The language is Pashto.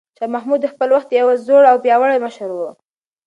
شاه محمود د خپل وخت یو زړور او پیاوړی مشر و.